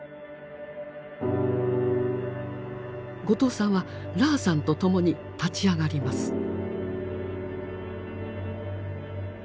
後藤さんはラーさんとともに立ち上がります。